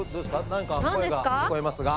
何か声が聞こえますが。